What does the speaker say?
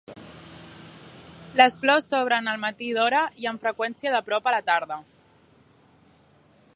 Les flors s'obren al matí d'hora i amb freqüència de prop a la tarda.